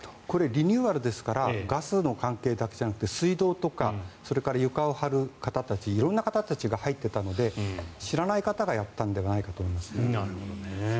リニューアルですからガスの関係だけじゃなくて水道とか、それから床を張る方たち色んな方たちが入っていたので知らない方がやったんではないかと思います。